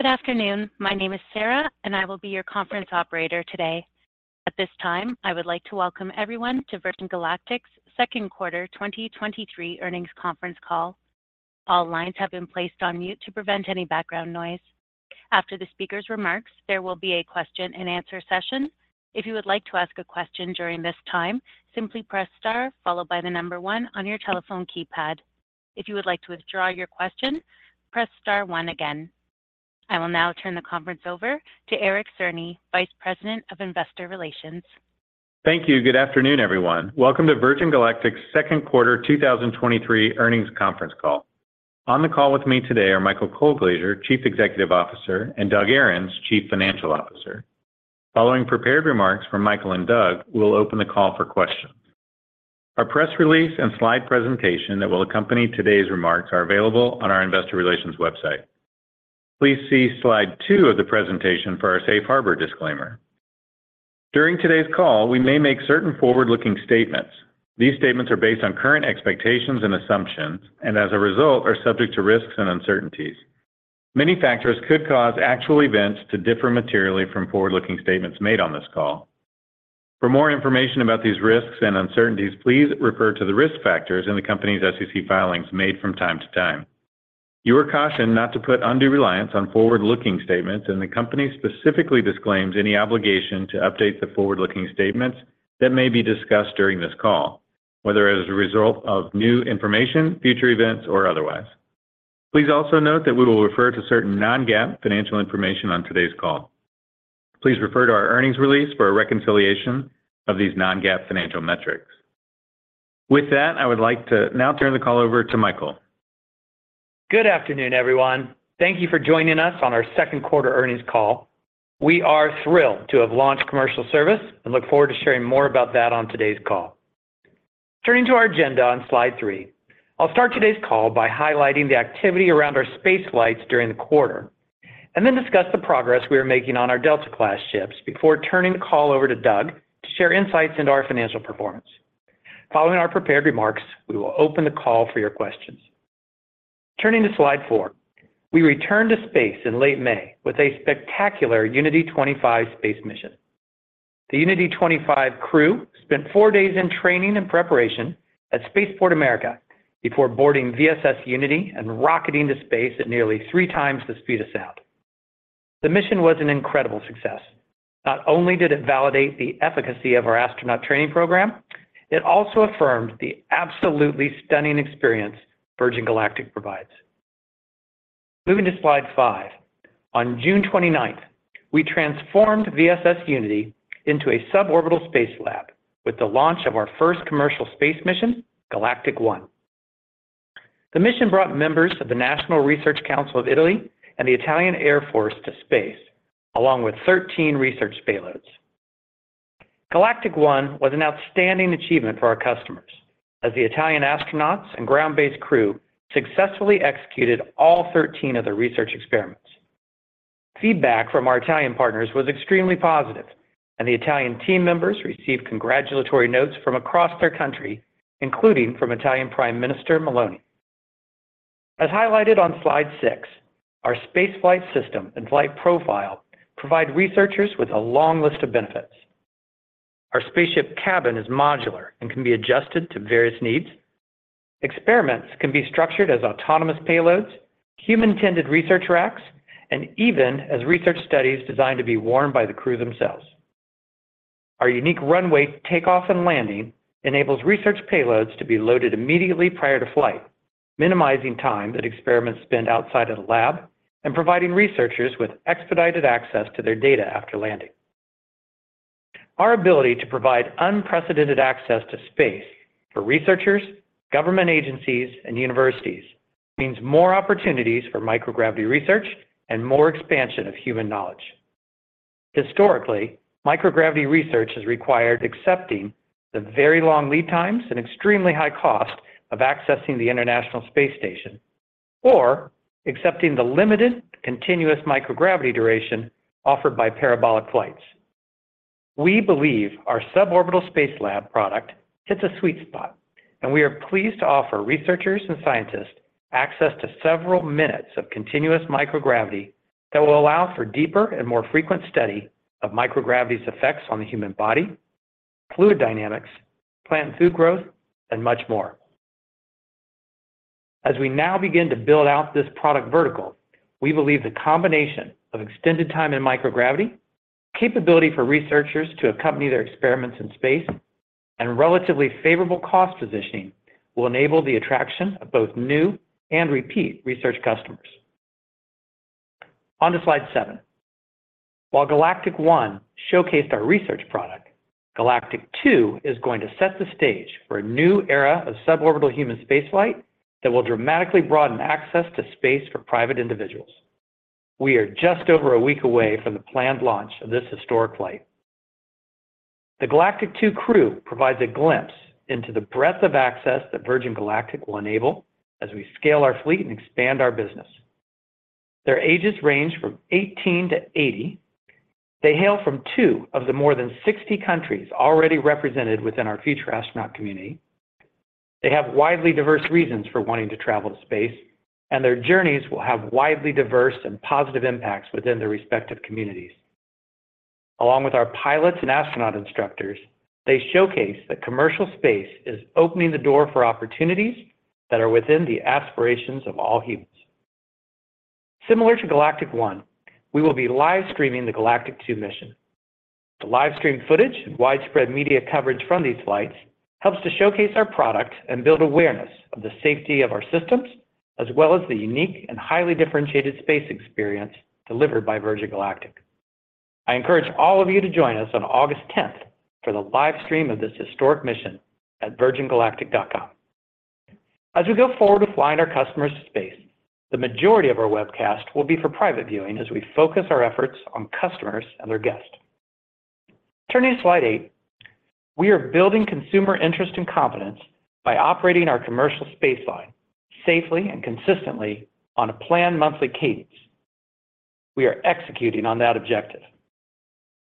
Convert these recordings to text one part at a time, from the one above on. Good afternoon. My name is Sarah. I will be your conference operator today. At this time, I would like to welcome everyone to Virgin Galactic's second quarter 2023 earnings conference call. All lines have been placed on mute to prevent any background noise. After the speaker's remarks, there will be a question and answer session. If you would like to ask a question during this time, simply press star followed by one on your telephone keypad. If you would like to withdraw your question, press star one again. I will now turn the conference over to Eric Cerny, Vice President of Investor Relations. Thank you. Good afternoon, everyone. Welcome to Virgin Galactic's second quarter 2023 earnings conference call. On the call with me today are Michael Colglazier, Chief Executive Officer, and Doug Ahrens, Chief Financial Officer. Following prepared remarks from Michael and Doug, we'll open the call for questions. Our press release and slide presentation that will accompany today's remarks are available on our investor relations website. Please see slide two of the presentation for our Safe Harbor disclaimer. During today's call, we may make certain forward-looking statements. These statements are based on current expectations and assumptions, and as a result, are subject to risks and uncertainties. Many factors could cause actual events to differ materially from forward-looking statements made on this call. For more information about these risks and uncertainties, please refer to the risk factors in the company's SEC filings made from time to time. You are cautioned not to put undue reliance on forward-looking statements, and the company specifically disclaims any obligation to update the forward-looking statements that may be discussed during this call, whether as a result of new information, future events, or otherwise. Please also note that we will refer to certain non-GAAP financial information on today's call. Please refer to our earnings release for a reconciliation of these non-GAAP financial metrics. With that, I would like to now turn the call over to Michael. Good afternoon, everyone. Thank you for joining us on our second quarter earnings call. We are thrilled to have launched commercial service and look forward to sharing more about that on today's call. Turning to our agenda on slide three, I'll start today's call by highlighting the activity around our space flights during the quarter, and then discuss the progress we are making on our Delta class ships before turning the call over to Doug to share insights into our financial performance. Following our prepared remarks, we will open the call for your questions. Turning to slide four, we returned to space in late May with a spectacular Unity 25 space mission. The Unity 25 crew spent four days in training and preparation at Spaceport America before boarding VSS Unity and rocketing to space at nearly three times the speed of sound. The mission was an incredible success. Not only did it validate the efficacy of our astronaut training program, it also affirmed the absolutely stunning experience Virgin Galactic provides. Moving to slide five, on June 29th, we transformed VSS Unity into a suborbital space lab with the launch of our first commercial space mission, Galactic 01. The mission brought members of the National Research Council of Italy and the Italian Air Force to space, along with 13 research payloads. Galactic 01 was an outstanding achievement for our customers, as the Italian astronauts and ground-based crew successfully executed all 13 of their research experiments. Feedback from our Italian partners was extremely positive, and the Italian team members received congratulatory notes from across their country, including from Italian Prime Minister Meloni. As highlighted on slide 6, our space flight system and flight profile provide researchers with a long list of benefits. Our spaceship cabin is modular and can be adjusted to various needs. Experiments can be structured as autonomous payloads, human-tended research racks, and even as research studies designed to be worn by the crew themselves. Our unique runway takeoff and landing enables research payloads to be loaded immediately prior to flight, minimizing time that experiments spend outside of the lab and providing researchers with expedited access to their data after landing. Our ability to provide unprecedented access to space for researchers, government agencies, and universities means more opportunities for microgravity research and more expansion of human knowledge. Historically, microgravity research has required accepting the very long lead times and extremely high cost of accessing the International Space Station, or accepting the limited continuous microgravity duration offered by parabolic flights. We believe our suborbital space lab product hits a sweet spot. We are pleased to offer researchers and scientists access to several minutes of continuous microgravity that will allow for deeper and more frequent study of microgravity's effects on the human body, fluid dynamics, plant and food growth, and much more. As we now begin to build out this product vertical, we believe the combination of extended time in microgravity, capability for researchers to accompany their experiments in space, and relatively favorable cost positioning will enable the attraction of both new and repeat research customers. On to slide seven. While Galactic 01 showcased our research product, Galactic 02 is going to set the stage for a new era of suborbital human space flight that will dramatically broaden access to space for private individuals. We are just over a week away from the planned launch of this historic flight. The Galactic 02 crew provides a glimpse into the breadth of access that Virgin Galactic will enable as we scale our fleet and expand our business. Their ages range from 18 to 80. They hail from two of the more than 60 countries already represented within our future astronaut community. They have widely diverse reasons for wanting to travel to space, and their journeys will have widely diverse and positive impacts within their respective communities. Along with our pilots and astronaut instructors, they showcase that commercial space is opening the door for opportunities that are within the aspirations of all humans. Similar to Galactic 01, we will be live streaming the Galactic 02 mission. The live stream footage and widespread media coverage from these flights helps to showcase our product and build awareness of the safety of our systems, as well as the unique and highly differentiated space experience delivered by Virgin Galactic. I encourage all of you to join us on August tenth for the live stream of this historic mission at virgingalactic.com. As we go forward with flying our customers to space, the majority of our webcast will be for private viewing as we focus our efforts on customers and their guests. Turning to slide eight, we are building consumer interest and confidence by operating our commercial space line safely and consistently on a planned monthly cadence. We are executing on that objective.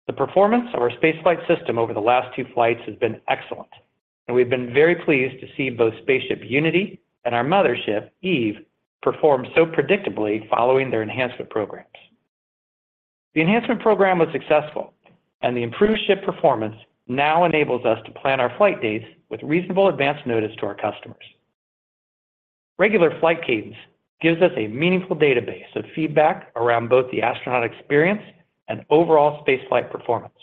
The performance of our space flight system over the last two flights has been excellent, and we've been very pleased to see both Spaceship Unity and our mothership, Eve, perform so predictably following their enhancement programs. The enhancement program was successful, and the improved ship performance now enables us to plan our flight dates with reasonable advance notice to our customers. Regular flight cadence gives us a meaningful database of feedback around both the astronaut experience and overall space flight performance.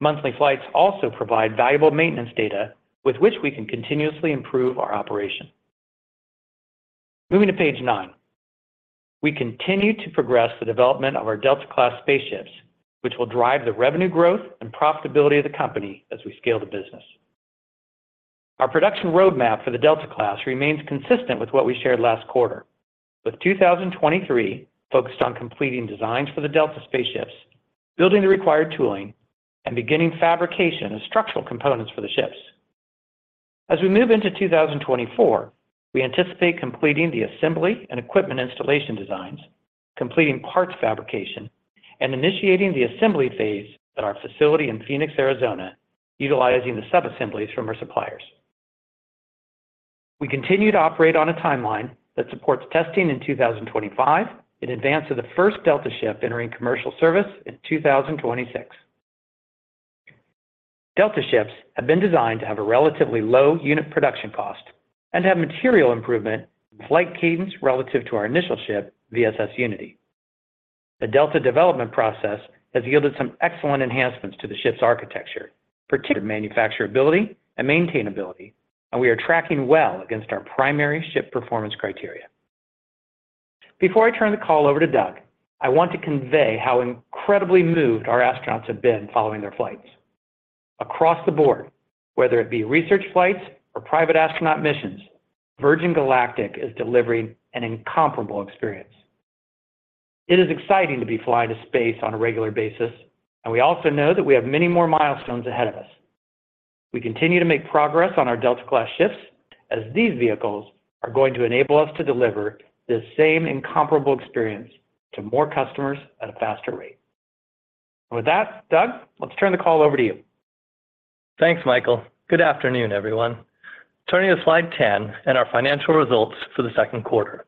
Monthly flights also provide valuable maintenance data with which we can continuously improve our operation. Moving to page nine, we continue to progress the development of our Delta-class spaceships, which will drive the revenue growth and profitability of the company as we scale the business. Our production roadmap for the Delta class remains consistent with what we shared last quarter, with 2023 focused on completing designs for the Delta spaceships, building the required tooling, and beginning fabrication and structural components for the ships. As we move into 2024, we anticipate completing the assembly and equipment installation designs, completing parts fabrication, and initiating the assembly phase at our facility in Phoenix, Arizona, utilizing the sub assemblies from our suppliers. We continue to operate on a timeline that supports testing in 2025 in advance of the first Delta ship entering commercial service in 2026. Delta ships have been designed to have a relatively low unit production cost and have material improvement in flight cadence relative to our initial ship, VSS Unity. The Delta development process has yielded some excellent enhancements to the ship's architecture, particular manufacturability and maintainability. We are tracking well against our primary ship performance criteria. Before I turn the call over to Doug, I want to convey how incredibly moved our astronauts have been following their flights. Across the board, whether it be research flights or private astronaut missions, Virgin Galactic is delivering an incomparable experience. It is exciting to be flying to space on a regular basis. We also know that we have many more milestones ahead of us. We continue to make progress on our Delta-class ships, as these vehicles are going to enable us to deliver this same incomparable experience to more customers at a faster rate. With that, Doug, let's turn the call over to you. Thanks, Michael. Good afternoon, everyone. Turning to slide 10 and our financial results for the second quarter.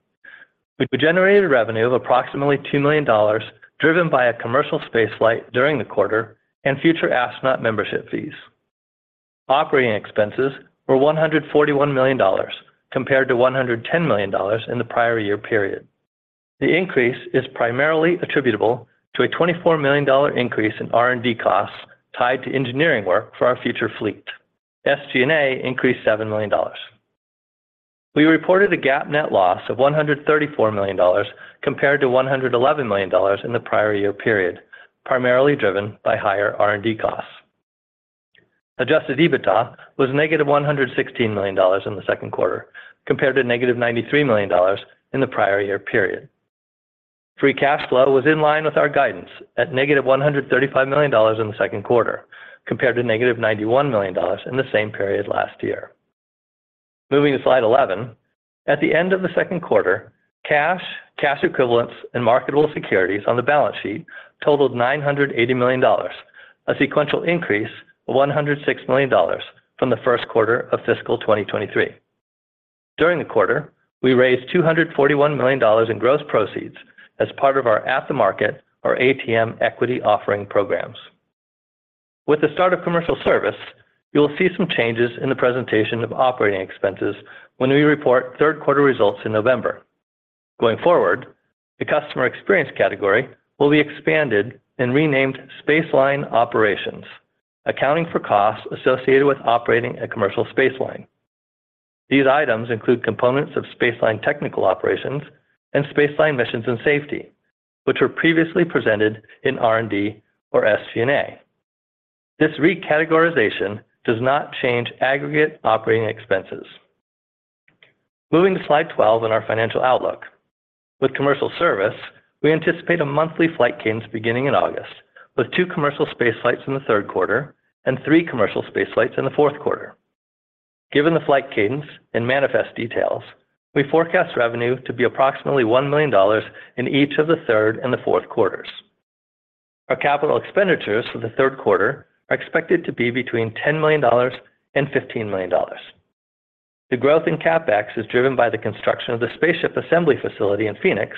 We generated revenue of approximately $2 million, driven by a commercial space flight during the quarter and future astronaut membership fees. Operating expenses were $141 million, compared to $110 million in the prior year period. The increase is primarily attributable to a $24 million increase in R&D costs tied to engineering work for our future fleet. SG&A increased $7 million. We reported a GAAP net loss of $134 million, compared to $111 million in the prior year period, primarily driven by higher R&D costs. Adjusted EBITDA was negative $116 million in the second quarter, compared to negative $93 million in the prior year period. Free cash flow was in line with our guidance at negative $135 million in the second quarter, compared to negative $91 million in the same period last year. Moving to slide 11, at the end of the second quarter, cash, cash equivalents, and marketable securities on the balance sheet totaled $980 million, a sequential increase of $106 million from the first quarter of fiscal 2023. During the quarter, we raised $241 million in gross proceeds as part of our at the market or ATM equity offering programs. With the start of commercial service, you will see some changes in the presentation of operating expenses when we report third quarter results in November. Going forward, the customer experience category will be expanded and renamed Space Line Operations, accounting for costs associated with operating a commercial space line. These items include components of space line technical operations and space line missions and safety, which were previously presented in R&D or SG&A. This recategorization does not change aggregate operating expenses. Moving to slide 12 on our financial outlook. With commercial service, we anticipate a monthly flight cadence beginning in August, with 2 commercial space flights in the third quarter and three commercial space flights in the fourth quarter. Given the flight cadence and manifest details, we forecast revenue to be approximately $1 million in each of the third and the fourth quarters. Our capital expenditures for the third quarter are expected to be between $10 million and $15 million. The growth in CapEx is driven by the construction of the spaceship assembly facility in Phoenix,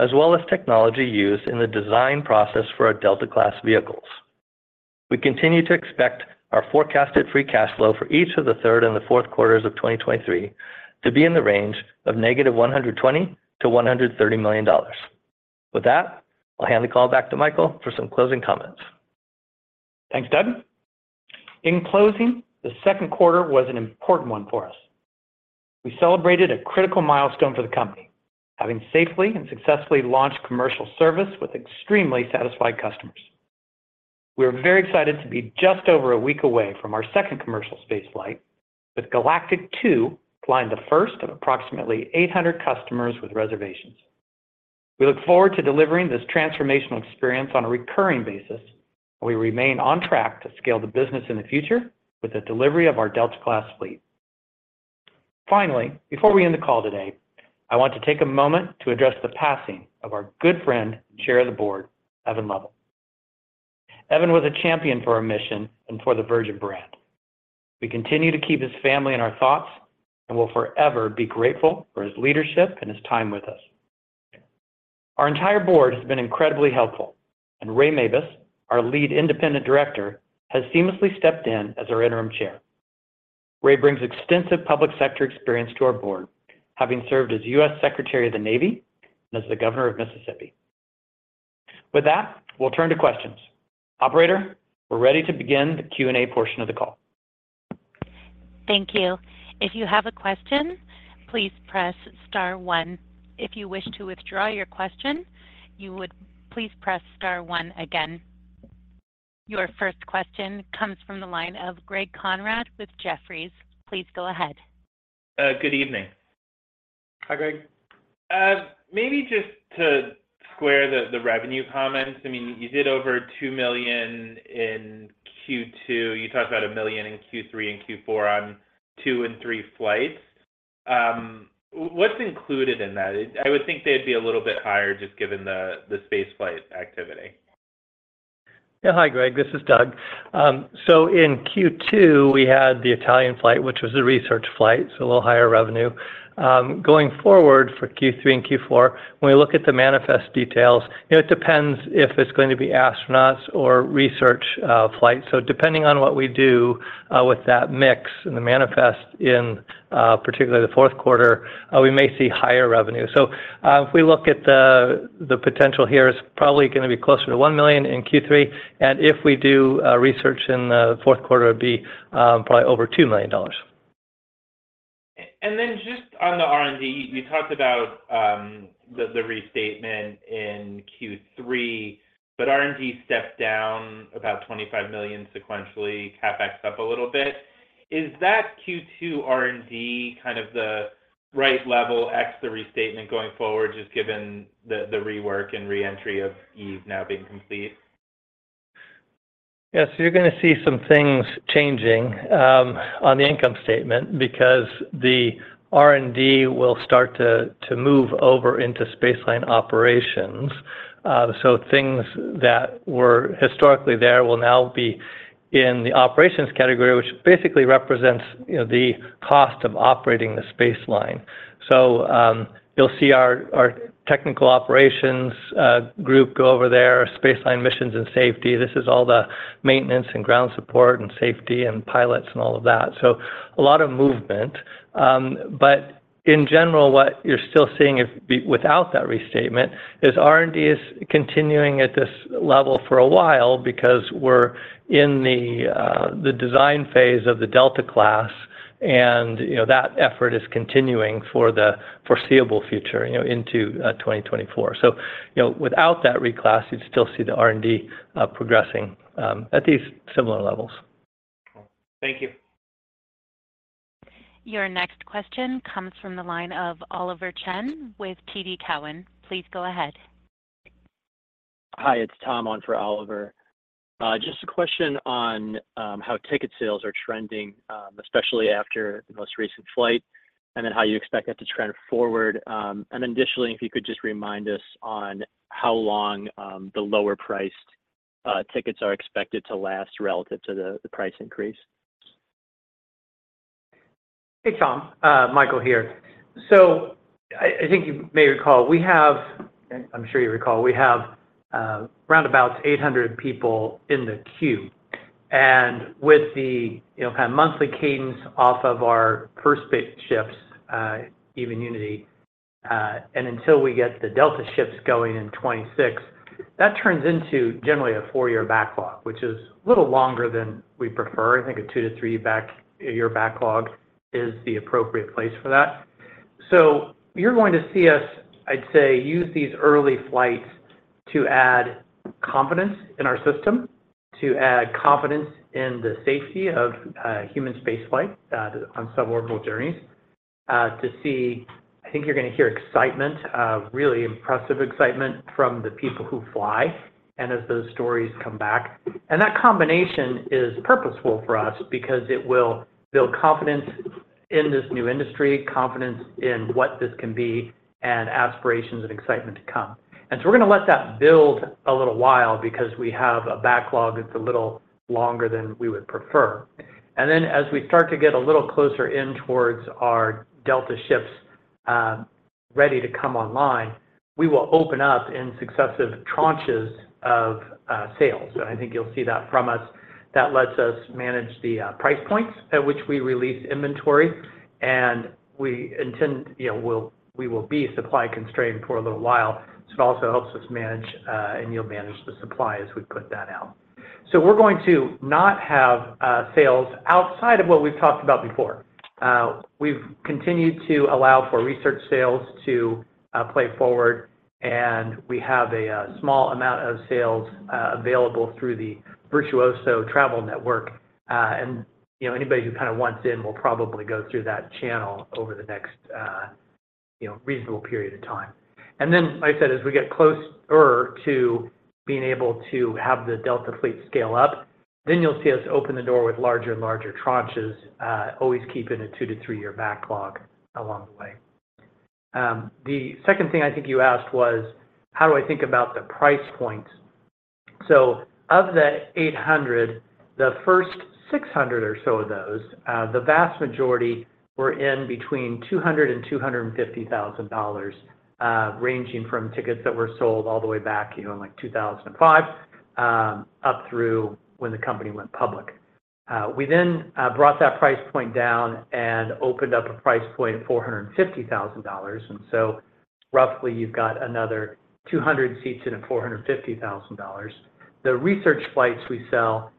as well as technology used in the design process for our Delta class vehicles. We continue to expect our forecasted free cash flow for each of the third and the fourth quarters of 2023 to be in the range of negative $120 million-$130 million. With that, I'll hand the call back to Michael for some closing comments. Thanks, Doug. In closing, the second quarter was an important one for us. We celebrated a critical milestone for the company, having safely and successfully launched commercial service with extremely satisfied customers. We are very excited to be just over a week away from our second commercial space flight, with Galactic 02 flying the first of approximately 800 customers with reservations. We look forward to delivering this transformational experience on a recurring basis, and we remain on track to scale the business in the future with the delivery of our Delta class fleet. Finally, before we end the call today, I want to take a moment to address the passing of our good friend and Chair of the Board, Evan Lovell. Evan was a champion for our mission and for the Virgin brand. We continue to keep his family in our thoughts and will forever be grateful for his leadership and his time with us. Our entire board has been incredibly helpful, and Ray Mabus, our lead independent director, has seamlessly stepped in as our interim Chair. Ray brings extensive public sector experience to our board, having served as U.S. Secretary of the Navy and as the Governor of Mississippi. With that, we'll turn to questions. Operator, we're ready to begin the Q&A portion of the call. Thank you. If you have a question, please press star one. If you wish to withdraw your question, you would please press star one again. Your first question comes from the line of Greg Konrad with Jefferies. Please go ahead. Good evening. Hi, Greg. Maybe just to square the, the revenue comments. I mean, you did over $2 million in Q2. You talked about $1 million in Q3 and Q4 on two and three flights. What's included in that? I, I would think they'd be a little bit higher, just given the, the spaceflight activity. Yeah. Hi, Greg, this is Doug. In Q2, we had the Italian flight, which was a research flight, so a little higher revenue. Going forward for Q3 and Q4, when we look at the manifest details, it depends if it's going to be astronauts or research flight. Depending on what we do with that mix and the manifest in, particularly the fourth quarter, we may see higher revenue. If we look at the, the potential here, it's probably gonna be closer to $1 million in Q3, and if we do research in the fourth quarter, it'd be probably over $2 million. Just on the R&D, you talked about the restatement in Q3, but R&D stepped down about $25 million sequentially, CapEx up a little bit. Is that Q2 R&D kind of the right level, X, the restatement going forward, just given the rework and re-entry of EVE now being complete? Yes. You're gonna see some things changing on the income statement because the R&D will start to move over into space line operations. Things that were historically there will now be in the operations category, which basically represents, you know, the cost of operating the space line. So, you'll see our, our technical operations group go over there, space line missions and safety. This is all the maintenance, and ground support, and safety, and pilots, and all of that. A lot of movement, but in general, what you're still seeing without that restatement, is R&D is continuing at this level for a while because we're in the design phase of the Delta class, and, you know, that effort is continuing for the foreseeable future, you know, into 2024. you know, without that reclass, you'd still see the R&D progressing at these similar levels. Thank you. Your next question comes from the line of Oliver Chen with TD Cowen. Please go ahead. Hi, it's Tom on for Oliver. Just a question on how ticket sales are trending, especially after the most recent flight, and then how you expect that to trend forward. Additionally, if you could just remind us on how long the lower-priced tickets are expected to last relative to the price increase. Hey, Tom. Michael here. I, I think you may recall, we have-- I'm sure you recall, we have, round about 800 people in the queue. With the, you know, kind of monthly cadence off of our first space ships, even Unity, and until we get the Delta ships going in 2026, that turns into generally a four-year backlog, which is a little longer than we prefer. I think atwo to three back, year backlog is the appropriate place for that. You're going to see us, I'd say, use these early flights to add confidence in our system, to add confidence in the safety of human spaceflight, on suborbital journeys, to see, I think you're going to hear excitement, really impressive excitement from the people who fly and as those stories come back. That combination is purposeful for us because it will build confidence in this new industry, confidence in what this can be, and aspirations and excitement to come. We're going to let that build a little while because we have a backlog that's a little longer than we would prefer. As we start to get a little closer in towards our Delta ships, ready to come online, we will open up in successive tranches of sales. I think you'll see that from us. That lets us manage the price points at which we release inventory, and we intend, you know, we will be supply constrained for a little while. This also helps us manage and you'll manage the supply as we put that out. We're going to not have sales outside of what we've talked about before. We've continued to allow for research sales to play forward, and we have a small amount of sales available through the Virtuoso Travel Network. You know, anybody who kind of wants in will probably go through that channel over the next, you know, reasonable period of time. Then, like I said, as we get closer to being able to have the Delta fleet scale up, then you'll see us open the door with larger and larger tranches, always keeping a two to three-year backlog along the way. The second thing I think you asked was, how do I think about the price points? Of the 800, the first 600 or so of those, the vast majority were in between $200,000 and $250,000, ranging from tickets that were sold all the way back, you know, in like 2005, up through when the company went public. We then brought that price point down and opened up a price point of $450,000, roughly you've got another 200 seats in at $450,000. The research flights we sell,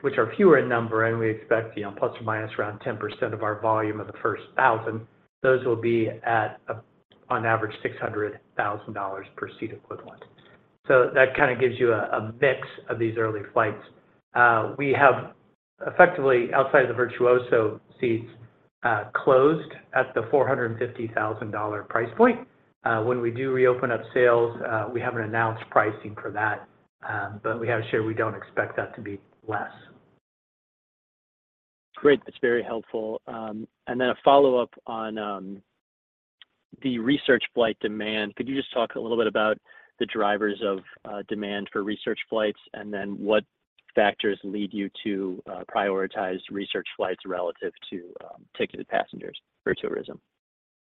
which are fewer in number, and we expect, you know, plus or minus around 10% of our volume of the first 1,000, those will be at, on average, $600,000 per seat equivalent. That kind of gives you a mix of these early flights. We have effectively, outside the Virtuoso seats, closed at the $450,000 price point. When we do reopen up sales, we haven't announced pricing for that, but we have shared we don't expect that to be less. Great, that's very helpful. Then a follow-up on the research flight demand. Could you just talk a little bit about the drivers of demand for research flights, and then what factors lead you to prioritize research flights relative to ticketed passengers for tourism?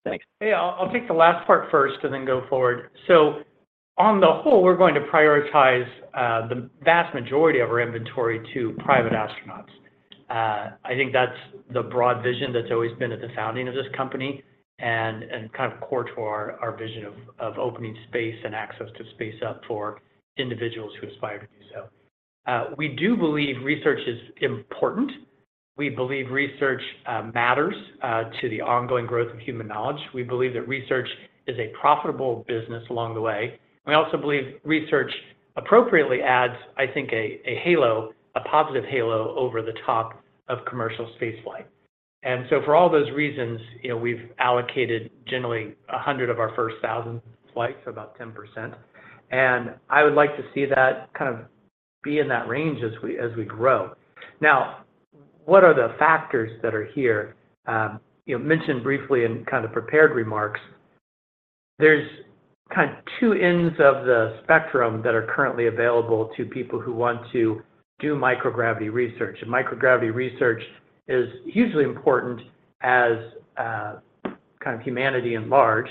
Thanks. Hey, I'll, I'll take the last part first and then go forward. On the whole, we're going to prioritize the vast majority of our inventory to private astronauts. I think that's the broad vision that's always been at the founding of this company and, and kind of core to our, our vision of, of opening space and access to space up for individuals who aspire to do so. We do believe research is important. We believe research matters to the ongoing growth of human knowledge. We believe that research is a profitable business along the way. We also believe research appropriately adds, I think, a, a halo, a positive halo over the top of commercial space flight. So for all those reasons, you know, we've allocated generally 100 of our first 1,000 flights, about 10%, and I would like to see that kind of be in that range as we, as we grow. What are the factors that are here? You mentioned briefly in kind of prepared remarks, there's kind of two ends of the spectrum that are currently available to people who want to do microgravity research. Microgravity research is hugely important as kind of humanity in large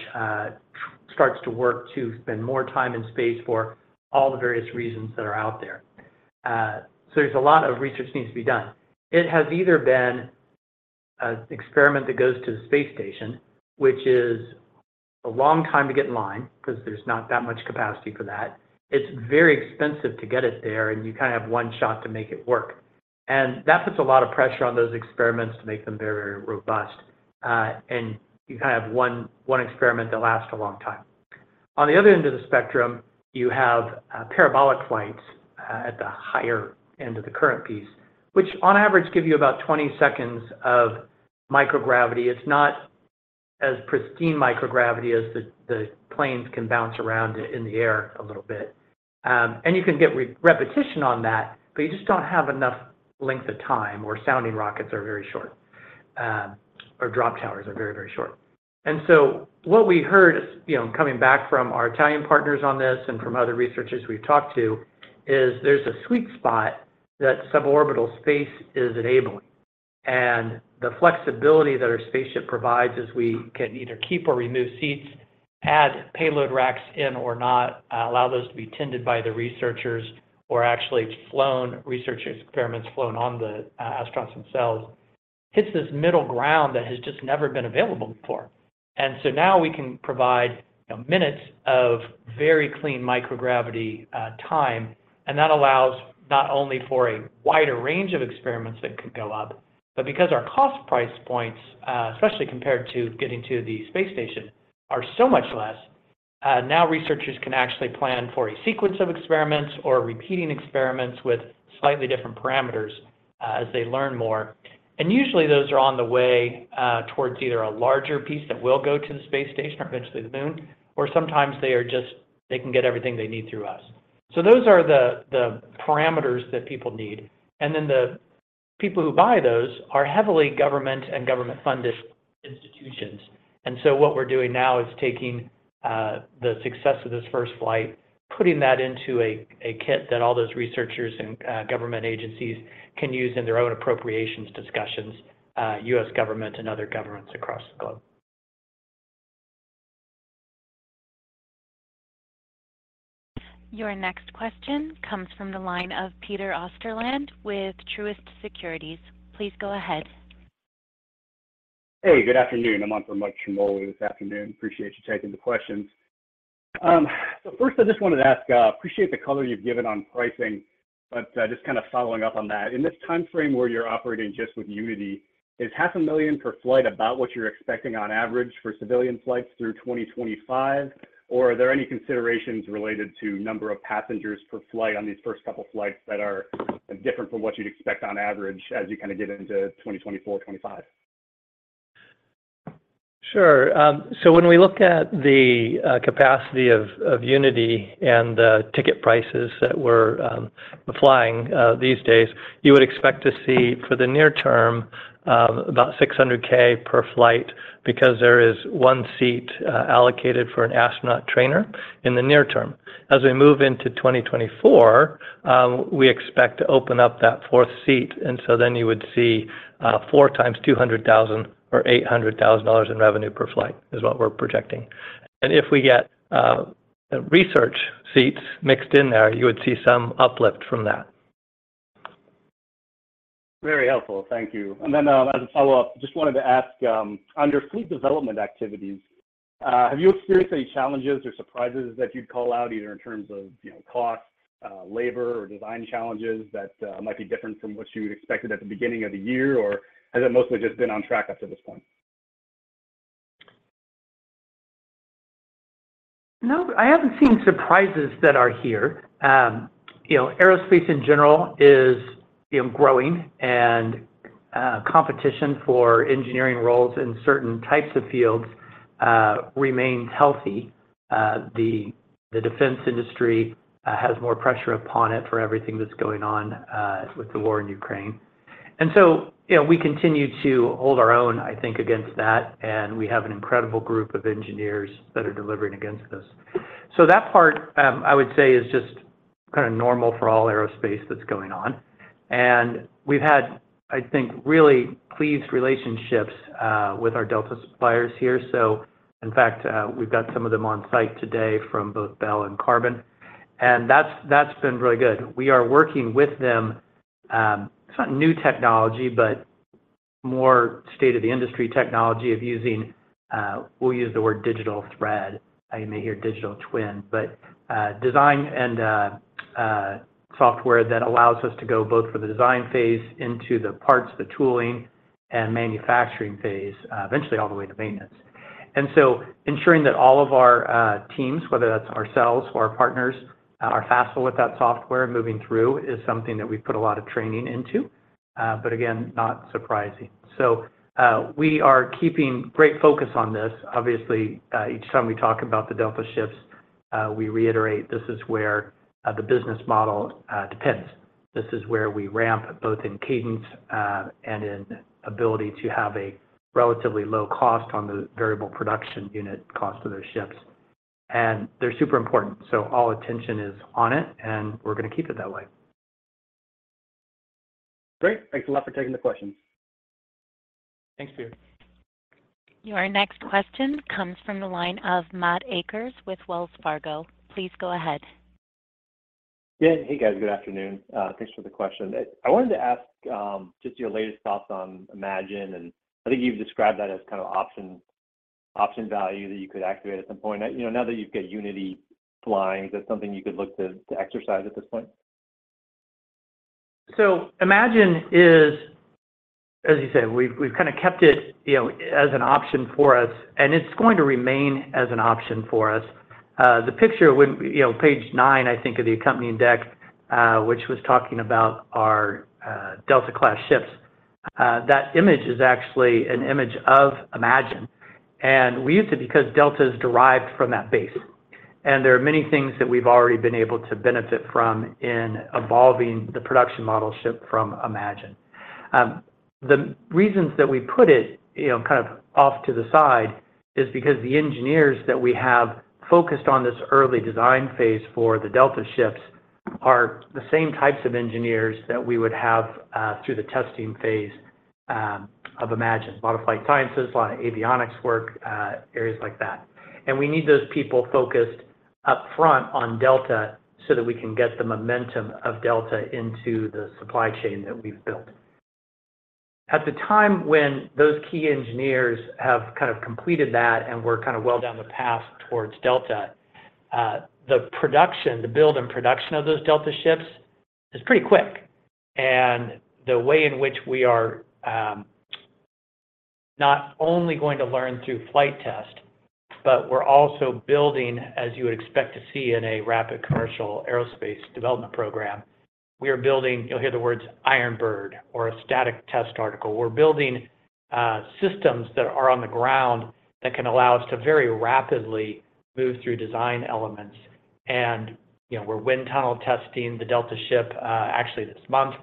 starts to work to spend more time in space for all the various reasons that are out there. So there's a lot of research needs to be done. It has either been an experiment that goes to the space station, which is a long time to get in line because there's not that much capacity for that. It's very expensive to get it there, and you kind of have one shot to make it work. That puts a lot of pressure on those experiments to make them very, very robust, and you have one experiment that lasts a long time. On the other end of the spectrum, you have parabolic flights at the higher end of the current piece, which on average, give you about 20 seconds of microgravity. It's not as pristine microgravity as the planes can bounce around in the air a little bit. And you can get repetition on that, but you just don't have enough length of time, or sounding rockets are very short, or drop towers are very, very short. So what we heard, you know, coming back from our Italian partners on this and from other researchers we've talked to, is there's a sweet spot that suborbital space is enabling. The flexibility that our spaceship provides is we can either keep or remove seats, add payload racks in or not, allow those to be tended by the researchers or actually flown, researchers' experiments flown on the astronauts themselves, hits this middle ground that has just never been available before. So now we can provide minutes of very clean microgravity time, and that allows not only for a wider range of experiments that could go up, but because our cost price points, especially compared to getting to the Space Station, are so much less. Now researchers can actually plan for a sequence of experiments or repeating experiments with slightly different parameters as they learn more. Usually those are on the way towards either a larger piece that will go to the Space Station or eventually the moon, or sometimes they are just they can get everything they need through us. Those are the parameters that people need, and then the people who buy those are heavily government and government-funded institutions. What we're doing now is taking the success of this first flight, putting that into a kit that all those researchers and government agencies can use in their own appropriations discussions, U.S. government and other governments across the globe. Your next question comes from the line of Peter Osterland with Truist Securities. Please go ahead. Hey, good afternoon. I'm on for Mike Cioffi this afternoon. Appreciate you taking the questions. So first, I just wanted to ask, appreciate the color you've given on pricing, but just kind of following up on that. In this time frame where you're operating just with Unity, is $500,000 per flight about what you're expecting on average for civilian flights through 2025? Or are there any considerations related to number of passengers per flight on these first couple flights that are different from what you'd expect on average as you kind of get into 2024, 2025? Sure. When we look at the capacity of Unity and the ticket prices that we're flying these days, you would expect to see, for the near term, about $600,000 per flight because there is one seat allocated for an astronaut trainer in the near term. As we move into 2024, we expect to open up that fourth seat, then you would see four times $200,000 or $800,000 in revenue per flight, is what we're projecting. If we get research seats mixed in there, you would see some uplift from that. Very helpful. Thank you. As a follow-up, just wanted to ask, under fleet development activities, have you experienced any challenges or surprises that you'd call out, either in terms of, you know, cost, labor, or design challenges that might be different from what you expected at the beginning of the year? Or has it mostly just been on track up to this point? No, I haven't seen surprises that are here. You know, aerospace in general is growing, and competition for engineering roles in certain types of fields remains healthy. The defense industry has more pressure upon it for everything that's going on with the war in Ukraine. You know, we continue to hold our own, I think, against that, and we have an incredible group of engineers that are delivering against this. That part, I would say, is just kind of normal for all aerospace that's going on. We've had, I think, really pleased relationships with our Delta suppliers here. In fact, we've got some of them on site today from both Bell and Qarbon, and that's, that's been really good. We are working with them, it's not new technology, but more state-of-the-industry technology of using, we'll use the word digital thread. You may hear digital twin, but design and software that allows us to go both for the design phase into the parts, the tooling and manufacturing phase, eventually all the way to maintenance. So ensuring that all of our teams, whether that's ourselves or our partners, are facile with that software moving through is something that we've put a lot of training into, but again, not surprising. We are keeping great focus on this. Obviously, each time we talk about the Delta ships, we reiterate this is where the business model depends. This is where we ramp, both in cadence, and in ability to have a relatively low cost on the variable production unit cost of those ships. They're super important, so all attention is on it, and we're going to keep it that way. Great. Thanks a lot for taking the question. Thanks, Peter. Your next question comes from the line of Matthew Akers with Wells Fargo. Please go ahead. Yeah. Hey, guys, good afternoon. Thanks for the question. I wanted to ask, just your latest thoughts on VSS Imagine, and I think you've described that as kind of option, option value that you could activate at some point. You know, now that you've got VSS Unity flying, is that something you could look to, to exercise at this point? Imagine is, as you said, we've, we've kind of kept it, you know, as an option for us, and it's going to remain as an option for us. The picture when-- you know, page 9, I think, of the accompanying deck, which was talking about our Delta class ships, that image is actually an image of Imagine, and we used it because Delta is derived from that base. There are many things that we've already been able to benefit from in evolving the production model ship from Imagine. The reasons that we put it, you know, kind of off to the side is because the engineers that we have focused on this early design phase for the Delta class ships are the same types of engineers that we would have, through the testing phase, of Imagine. A lot of flight sciences, a lot of avionics work, areas like that. We need those people focused up front on Delta so that we can get the momentum of Delta into the supply chain that we've built. At the time when those key engineers have kind of completed that and we're kind of well down the path towards Delta, the production, the build and production of those Delta ships is pretty quick. The way in which we are not only going to learn through flight test, but we're also building, as you would expect to see in a rapid commercial aerospace development program, we are building, you'll hear the words iron bird or a static test article. We're building, systems that are on the ground that can allow us to very rapidly move through design elements. You know, we're wind tunnel testing the Delta ship actually this month.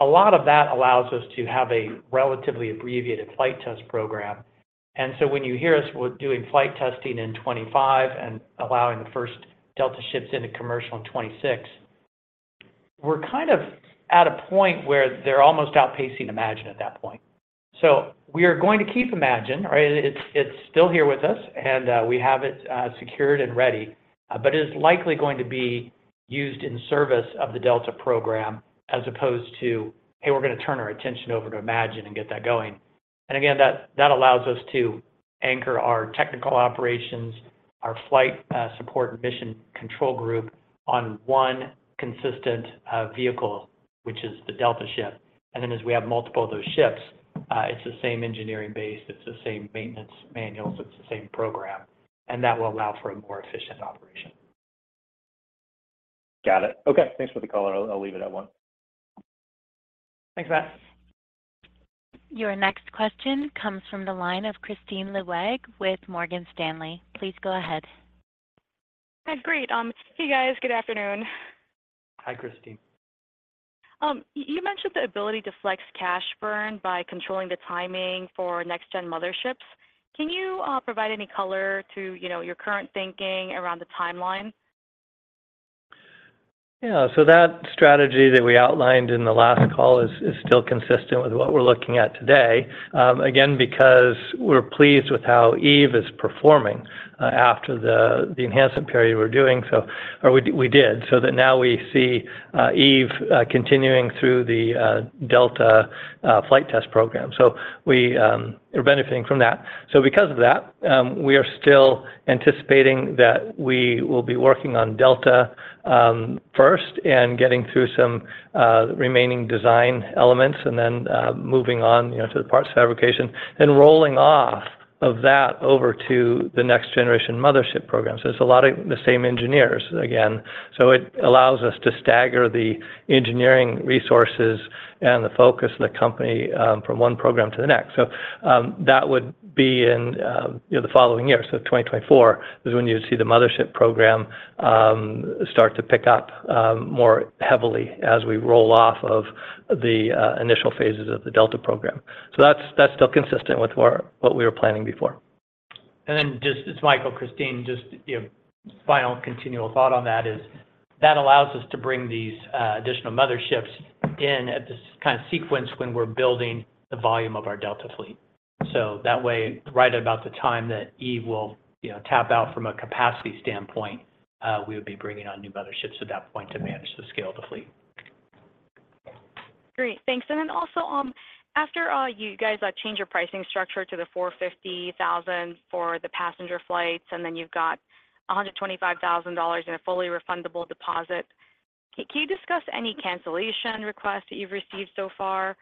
A lot of that allows us to have a relatively abbreviated flight test program. When you hear us, we're doing flight testing in 25 and allowing the first Delta ships into commercial in 26, we're kind of at a point where they're almost outpacing Imagine at that point. We are going to keep Imagine, right? It's, it's still here with us, and we have it secured and ready, but it is likely going to be used in service of the Delta program as opposed to, "Hey, we're going to turn our attention over to Imagine and get that going." Again, that, that allows us to anchor our technical operations, our flight support and mission control group on one consistent vehicle, which is the Delta ship. As we have multiple of those ships, it's the same engineering base, it's the same maintenance manuals, it's the same program, and that will allow for a more efficient operation. Got it. Okay, thanks for the call. I'll, I'll leave it at one. Thanks, Matt. Your next question comes from the line of Kristine Liwag with Morgan Stanley. Please go ahead. Hi, great. Hey, guys. Good afternoon. Hi, Kristine. You mentioned the ability to flex cash burn by controlling the timing for next gen motherships. Can you provide any color to, you know, your current thinking around the timeline? Yeah. That strategy that we outlined in the last call is still consistent with what we're looking at today. Again, because we're pleased with how Eve is performing, after the, the enhancement period we're doing, so or we, we did, so that now we see, Eve, continuing through the, Delta, flight test program. We, we're benefiting from that. Because of that, we are still anticipating that we will be working on Delta, first and getting through some, remaining design elements and then, moving on, you know, to the parts fabrication, and rolling off of that over to the next generation mothership program. It's a lot of the same engineers again, so it allows us to stagger the engineering resources and the focus of the company, from one program to the next. That would be in, you know, the following year. 2024 is when you'd see the mothership program start to pick up more heavily as we roll off of the initial phases of the Delta program. That's, that's still consistent with what, what we were planning before. Then just, it's Michael, Kristine, just, you know, final continual thought on that is, that allows us to bring these additional motherships in at this kind of sequence when we're building the volume of our Delta fleet. That way, right about the time that Eve will, you know, tap out from a capacity standpoint, we would be bringing on new motherships at that point to manage the scale of the fleet. Great, thanks. Also, after you guys change your pricing structure to the $450,000 for the passenger flights, then you've got $125,000 in a fully refundable deposit, can you discuss any cancellation requests that you've received so far,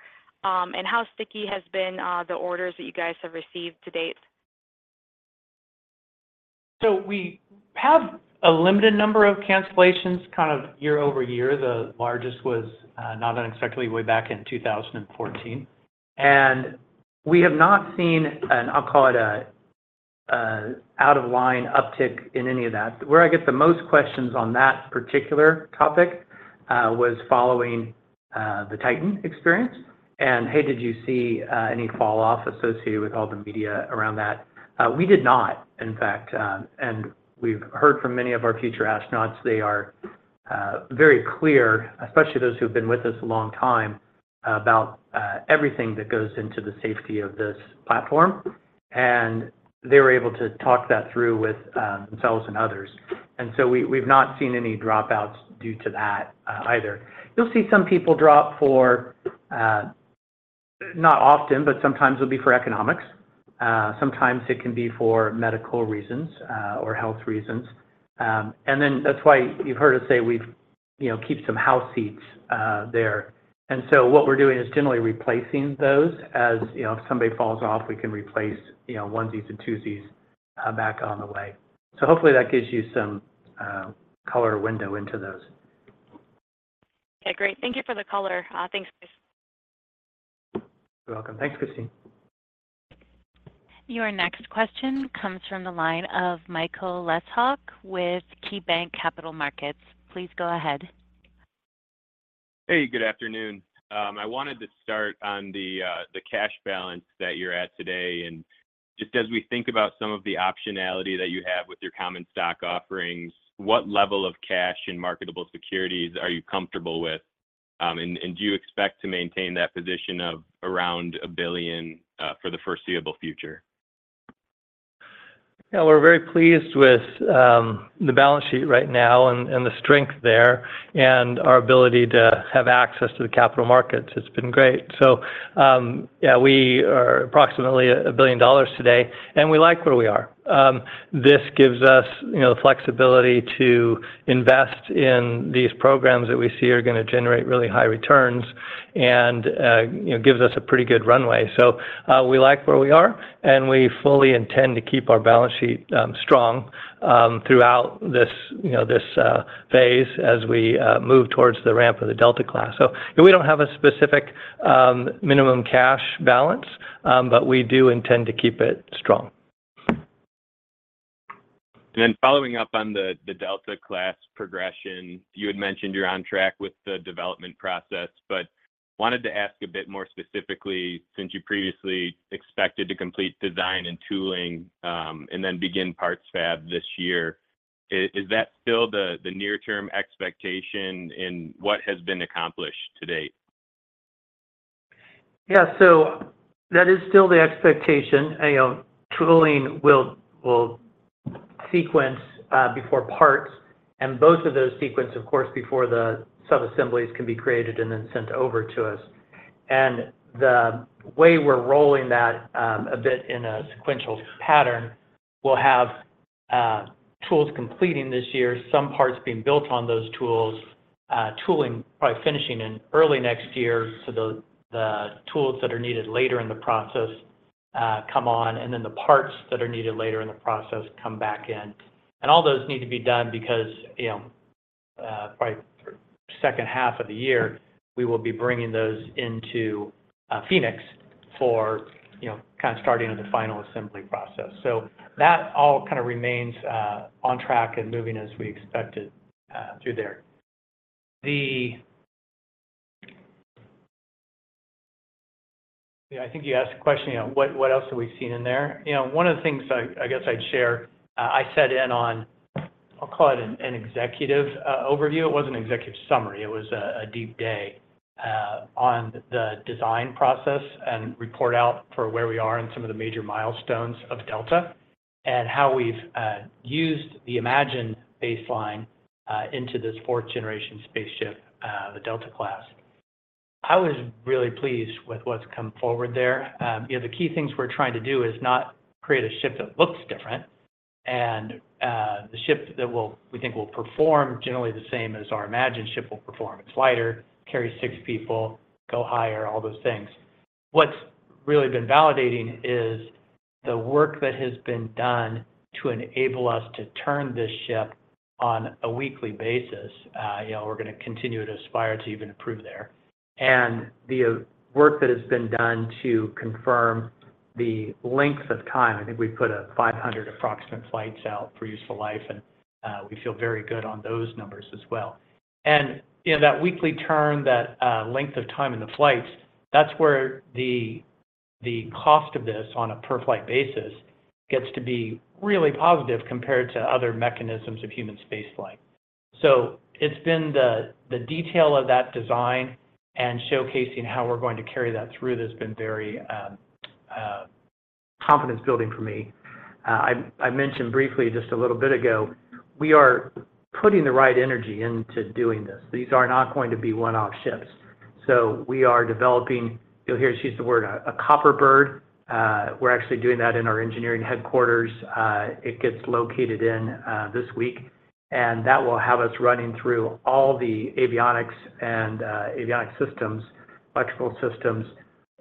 and how sticky has been the orders that you guys have received to date? We have a limited number of cancellations, kind of year over year. The largest was, not unexpectedly, way back in 2014. We have not seen an, I'll call it a, out of line uptick in any of that. Where I get the most questions on that particular topic, was following the Titan experience. Hey, did you see any falloff associated with all the media around that? We did not, in fact, and we've heard from many of our future astronauts, they are very clear, especially those who have been with us a long time, about everything that goes into the safety of this platform, and they were able to talk that through with themselves and others. We, we've not seen any dropouts due to that, either. You'll see some people drop for, not often, but sometimes it'll be for economics, sometimes it can be for medical reasons, or health reasons. That's why you've heard us say we've, you know, keep some house seats there. What we're doing is generally replacing those as, you know, if somebody falls off, we can replace, you know, onesies and twosies back on the way. Hopefully that gives you some color window into those. Okay, great. Thank you for the color. Thanks, guys. You're welcome. Thanks, Kristine. Your next question comes from the line of Michael Leshock with KeyBanc Capital Markets. Please go ahead. Hey, good afternoon. I wanted to start on the cash balance that you're at today. Just as we think about some of the optionality that you have with your common stock offerings, what level of cash and marketable securities are you comfortable with? Do you expect to maintain that position of around $1 billion, for the foreseeable future? Yeah, we're very pleased with the balance sheet right now and, and the strength there, and our ability to have access to the capital markets. It's been great. Yeah, we are approximately $1 billion today, and we like where we are. This gives us, you know, the flexibility to invest in these programs that we see are going to generate really high returns and, you know, gives us a pretty good runway. We like where we are, and we fully intend to keep our balance sheet strong throughout this, you know, this phase as we move towards the ramp of the Delta class. We don't have a specific minimum cash balance, but we do intend to keep it strong. Then following up on the Delta class progression, you had mentioned you're on track with the development process, but wanted to ask a bit more specifically, since you previously expected to complete design and tooling, and then begin parts fab this year. Is that still the near term expectation and what has been accomplished to date? Yeah. That is still the expectation. You know, tooling will, will sequence before parts, and both of those sequence, of course, before the subassemblies can be created and then sent over to us. The way we're rolling that, a bit in a sequential pattern, we'll have tools completing this year, some parts being built on those tools, tooling, probably finishing in early next year. The, the tools that are needed later in the process, come on, and then the parts that are needed later in the process come back in. All those need to be done because, you know, by second half of the year, we will be bringing those into Phoenix for, you know, kind of starting on the final assembly process. That all kind of remains on track and moving as we expected through there. Yeah, I think you asked the question, you know, what, what else have we seen in there? You know, one of the things I, I guess I'd share, I sat in on, I'll call it an, an executive overview. It wasn't an executive summary, it was a, a deep day on the design process and report out for where we are and some of the major milestones of Delta, and how we've used the imagined baseline into this fourth generation spaceship, the Delta class. I was really pleased with what's come forward there. You know, the key things we're trying to do is not create a ship that looks different, and the ship that will, we think will perform generally the same as our VSS Imagine ship will perform. It's lighter, carries six people, go higher, all those things. What's really been validating is the work that has been done to enable us to turn this ship on a weekly basis. You know, we're going to continue to aspire to even improve there. The work that has been done to confirm the length of time, I think we've put a 500 approximate flights out for useful life, and we feel very good on those numbers as well. You know, that weekly turn, that length of time in the flights, that's where the, the cost of this on a per-flight basis gets to be really positive compared to other mechanisms of human space flight. It's been the, the detail of that design and showcasing how we're going to carry that through that's been very confidence building for me. I, I mentioned briefly just a little bit ago, we are putting the right energy into doing this. These are not going to be one-off ships. We are developing, you'll hear us use the word a copper bird. We're actually doing that in our engineering headquarters. It gets located in this week, and that will have us running through all the avionics and avionics systems, electrical systems,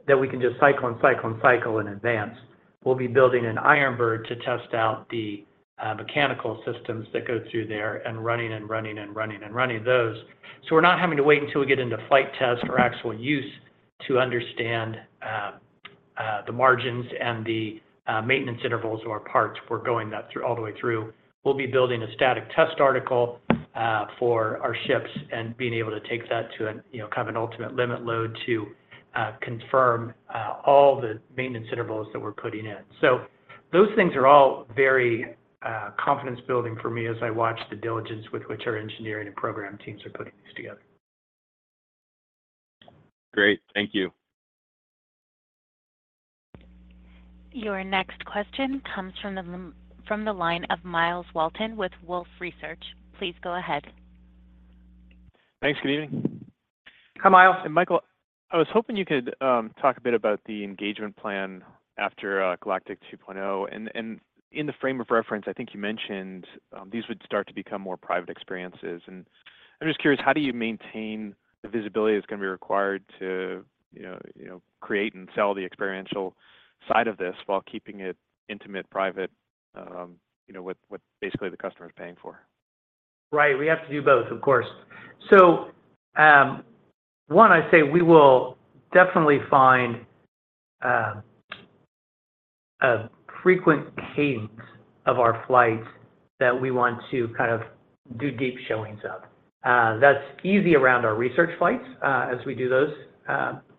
that we can just cycle and cycle and cycle in advance. We'll be building an iron bird to test out the mechanical systems that go through there and running and running and running and running those. We're not having to wait until we get into flight test or actual use to understand the margins and the maintenance intervals or parts. We're going that all the way through. We'll be building a static test article for our ships and being able to take that to an, you know, kind of an ultimate limit load to confirm all the maintenance intervals that we're putting in. Those things are all very confidence building for me as I watch the diligence with which our engineering and program teams are putting these together. Great. Thank you. Your next question comes from the line of Myles Walton with Wolfe Research. Please go ahead. Thanks. Good evening. Hi, Myles. Hey, Michael. I was hoping you could talk a bit about the engagement plan after Galactic 2.0. In the frame of reference, I think you mentioned these would start to become more private experiences. I'm just curious, how do you maintain the visibility that's going to be required to, you know, you know, create and sell the experiential side of this while keeping it intimate, private, you know, what, what basically the customer is paying for? Right. We have to do both, of course. One, I'd say we will definitely find a frequent cadence of our flights that we want to kind of do deep showings of. That's easy around our research flights as we do those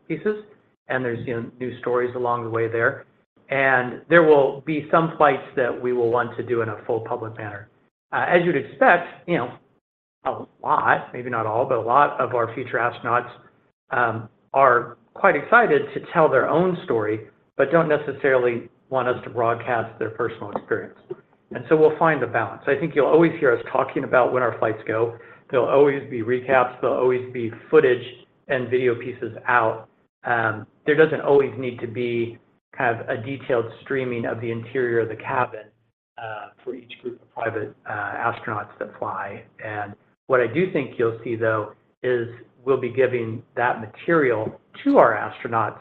pieces, and there's, you know, new stories along the way there. There will be some flights that we will want to do in a full public manner. As you'd expect, you know, a lot, maybe not all, but a lot of our future astronauts are quite excited to tell their own story, but don't necessarily want us to broadcast their personal experience. We'll find a balance. I think you'll always hear us talking about when our flights go. There'll always be recaps, there'll always be footage and video pieces out. There doesn't always need to be kind of a detailed streaming of the interior of the cabin for each group of private astronauts that fly. What I do think you'll see, though, is we'll be giving that material to our astronauts,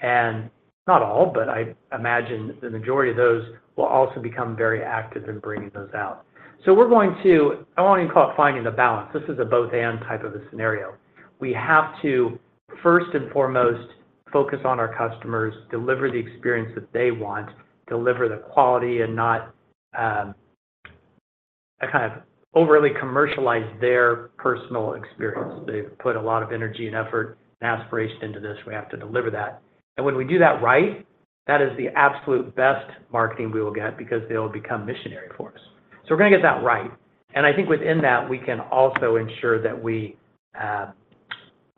and not all, but I imagine the majority of those will also become very active in bringing those out. We're going to- I don't want to call it finding the balance. This is a both/and type of a scenario. We have to first and foremost focus on our customers, deliver the experience that they want, deliver the quality and not kind of overly commercialize their personal experience. They've put a lot of energy and effort and aspiration into this, we have to deliver that. When we do that right, that is the absolute best marketing we will get, because they'll become missionary for us. We're going to get that right, and I think within that, we can also ensure that we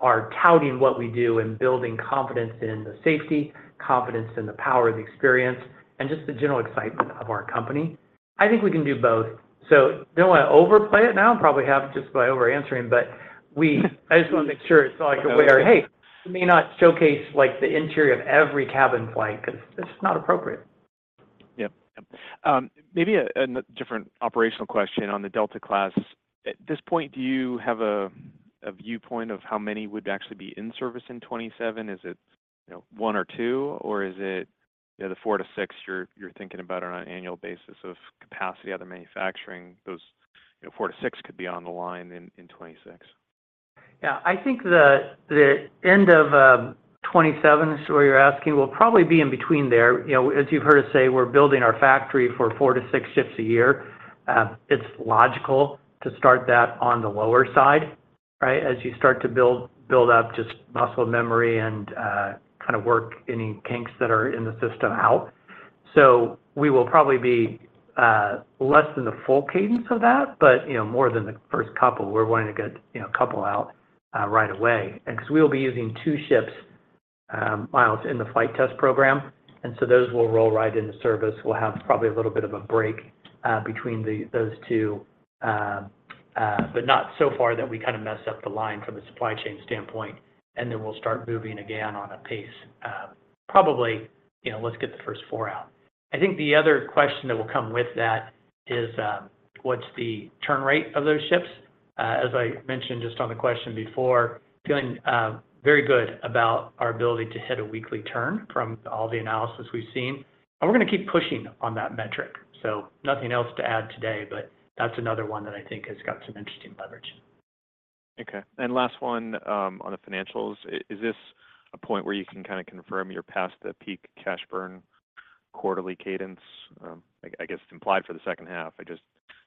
are touting what we do and building confidence in the safety, confidence in the power of the experience, and just the general excitement of our company. I think we can do both. Don't want to overplay it now, probably have just by over answering, but I just want to make sure it's like, aware, hey, we may not showcase like the interior of every cabin flight because it's not appropriate. Yep. Maybe a different operational question on the Delta class. At this point, do you have a viewpoint of how many would actually be in service in 2027? Is it, you know, one or two, or is it, you know, the four to six you're thinking about on an annual basis of capacity, out of manufacturing, those, you know, four to six could be on the line in 2026? Yeah, I think the, the end of 2027 is where you're asking, will probably be in between there. You know, as you've heard us say, we're building our factory for four to six ships a year. It's logical to start that on the lower side, right? As you start to build, build up just muscle memory and kind of work any kinks that are in the system out. We will probably be less than the full cadence of that, but, you know, more than the first couple. We're wanting to get, you know, a couple out right away. Because we will be using two ships, Myles in the flight test program, and so those will roll right into service. We'll have probably a little bit of a break between those two, but not so far that we kind of mess up the line from a supply chain standpoint, and then we'll start moving again on a pace, probably, you know, let's get the first four out. I think the other question that will come with that is, what's the turn rate of those ships? As I mentioned, just on the question before, feeling very good about our ability to hit a weekly turn from all the analysis we've seen, and we're going to keep pushing on that metric. Nothing else to add today, but that's another one that I think has got some interesting leverage. Okay. Last one, on the financials. Is this a point where you can kind of confirm you're past the peak cash burn quarterly cadence? I, I guess it's implied for the second half. I just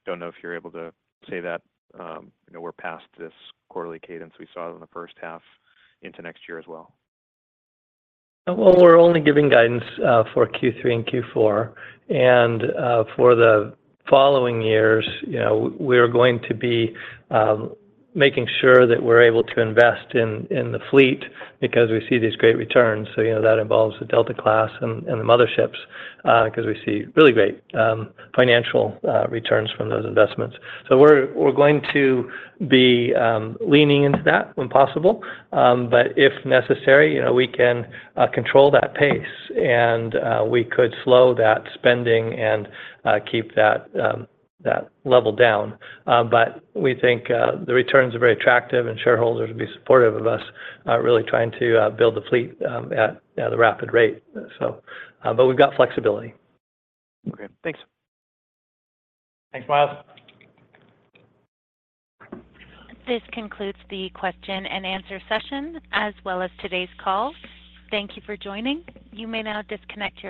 don't know if you're able to say that, you know, we're past this quarterly cadence we saw in the first half into next year as well. Well, we're only giving guidance for Q3 and Q4. For the following years, you know, we're going to be making sure that we're able to invest in, in the fleet because we see these great returns. You know, that involves the Delta class and, and the motherships because we see really great financial returns from those investments. We're, we're going to be leaning into that when possible, but if necessary, you know, we can control that pace and we could slow that spending and keep that level down. We think the returns are very attractive and shareholders will be supportive of us really trying to build the fleet at a rapid rate. We've got flexibility. Okay. Thanks. Thanks, Myles. This concludes the question-and-answer session, as well as today's call. Thank you for joining. You may now disconnect your line.